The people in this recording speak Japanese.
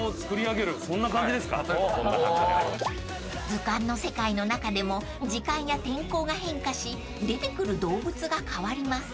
［図鑑の世界の中でも時間や天候が変化し出てくる動物が変わります］